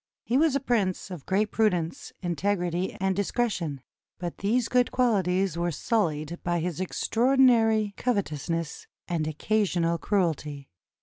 He was a prince of great prudence, integrity, and discretion ; but these good quahties were sullied by his extraordinary covetousness and occasional cruelty.